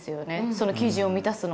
その基準を満たすのは。